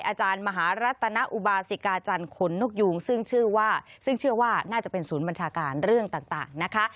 อาจารย์มหารัตนอุบาสิกาจันทร์ขนนกยูงซึ่งชื่อว่าซึ่งเชื่อว่าน่าจะเป็นศูนย์บัญชาการเรื่องต่างนะคะ